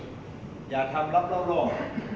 ก็ต้องทำให้จริง